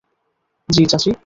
জি, চাচি।